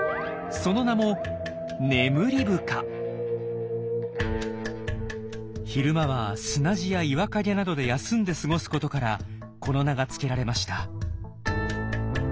その名も昼間は砂地や岩陰などで休んで過ごすことからこの名が付けられました。